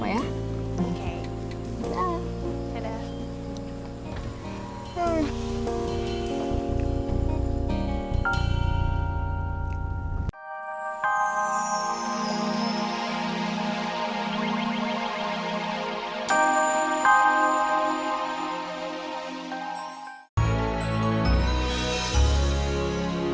jangan berpoxy terus